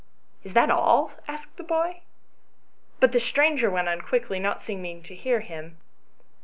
"Is that all?" asked the boy ; but the stranger went on quickly, not seeming to hear him.